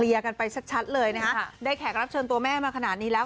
กันไปชัดชัดเลยนะฮะได้แขกรับเชิญตัวแม่มาขนาดนี้แล้ว